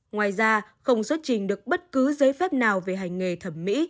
ngoài ra không xuất trình được bất cứ giấy phép nào về hành nghề thẩm mỹ